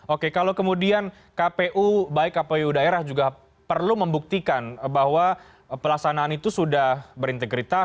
oke kalau kemudian kpu baik kpu daerah juga perlu membuktikan bahwa pelaksanaan itu sudah berintegritas